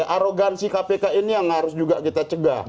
arogansi kpk ini yang harus juga kita cegah